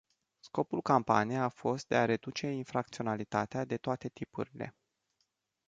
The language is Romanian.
Scopul campaniei a fost de a reduce infracționalitatea de toate tipurile.